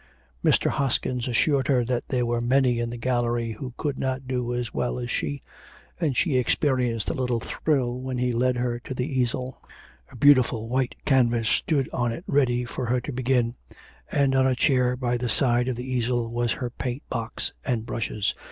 Mr. Hoskin assured her that there were many in the gallery who could not do as well as she. And she experienced a little thrill when he led her to the easel. A beautiful white canvas stood on it ready for her to begin, and on a chair by the side of the easel was her paint box and brushes.